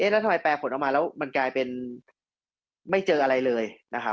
แล้วทำไมแปลผลออกมาแล้วมันกลายเป็นไม่เจออะไรเลยนะครับ